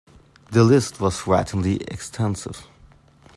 The list was frighteningly extensive.